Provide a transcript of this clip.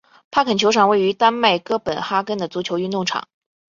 帕肯球场位于丹麦哥本哈根的足球运动场。